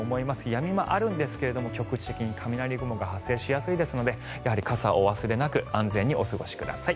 やみ間、あるんですが局地的に雷雲が発生しやすいですのでやはり傘をお忘れなく安全にお過ごしください。